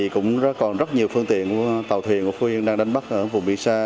cũng còn rất nhiều phương tiện của tàu thuyền của phú yên đang đánh bắt ở vùng biển xa